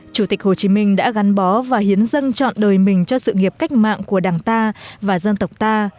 chủ tịch hồ chí minh đã gắn bó và hiến dân chọn đời mình cho sự nghiệp cách mạng của đảng ta và dân tộc ta